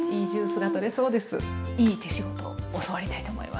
いい手仕事教わりたいと思います。